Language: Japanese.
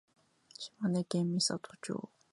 島根県美郷町